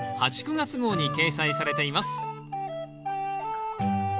９月号に掲載されています